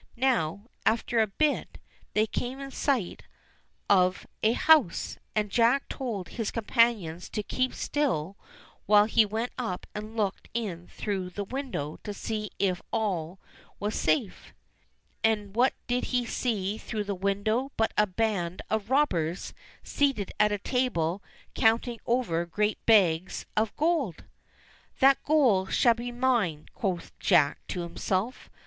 Now, after a bit, they came in sight of a house, and Jack told his companions to keep still while he went up and looked in through the window to see if all was safe. And what did he see through the window but a band of robbers seated at a table counting over great bags of gold ! "That gold shall be mine," quoth Jack to himself.